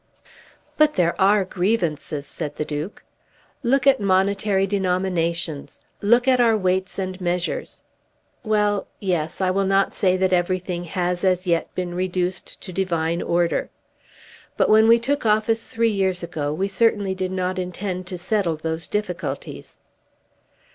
"But there are grievances," said the Duke. "Look at monetary denominations. Look at our weights and measures." "Well; yes. I will not say that everything has as yet been reduced to divine order. But when we took office three years ago we certainly did not intend to settle those difficulties."